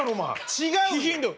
違う